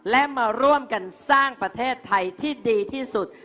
และมาร่วมกันสร้างประเทศไทยที่ดีที่สุด